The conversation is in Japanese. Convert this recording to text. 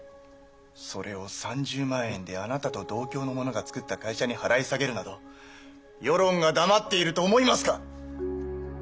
それを３０万円であなたと同郷の者が作った会社に払い下げるなど世論が黙っていると思いますか！